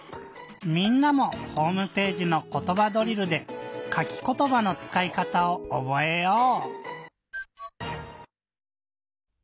みんなもホームページの「ことばドリル」で「かきことば」のつかいかたをおぼえよう！